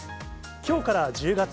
きょうから１０月。